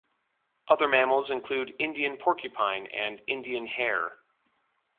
Other mammals include Indian porcupine and Indian hare.